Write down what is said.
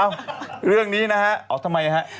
เรื่องนี้นะฮะอ๋อทำไมฮะ